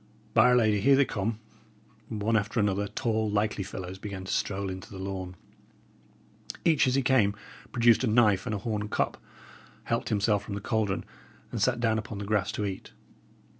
By 'r Lady! here they come." One after another, tall, likely fellows began to stroll into the lawn. Each as he came produced a knife and a horn cup, helped himself from the caldron, and sat down upon the grass to eat.